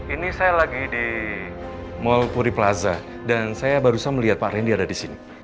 ini saya lagi di mall puri plaza dan saya barusan melihat pak randy ada di sini